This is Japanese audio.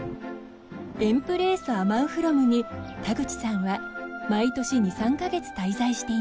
エンプレーソアマンフロムに田口さんは毎年２３カ月滞在しています。